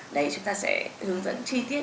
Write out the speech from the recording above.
đấy chúng ta sẽ hướng dẫn chi tiết